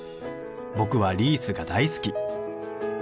僕はリースが大好き。